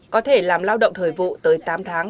có thể làm lao động thời vụ tới tám tháng